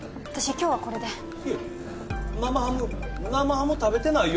今日はこれでいや生ハム生ハム食べてないよ